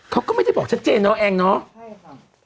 เขาก็ไม่ได้บอกชัดเจนเองเนาะ